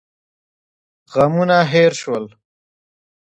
غمونه هېر شول.